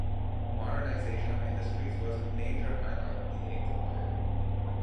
Modernization of industries was a major highlight of the Eighth Plan.